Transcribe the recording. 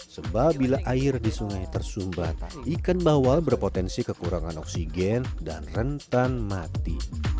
sebab bila air di sungai tersumbat ikan bawal berpotensi kekurangan oksigen dan rentan mati